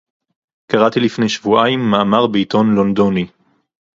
קראתי לפני שבועיים מאמר בעיתון לונדוני